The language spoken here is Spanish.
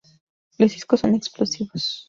Los discos son explosivos.